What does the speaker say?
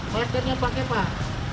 maskernya pakai pak